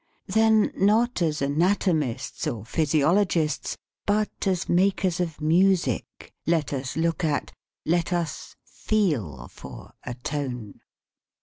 Then, not as anatomists or physiologists, but as makers of music, let us look at, let us feel for, a tone.